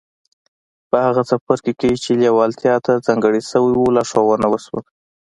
په هغه څپرکي کې چې لېوالتیا ته ځانګړی شوی و لارښوونه وشوه.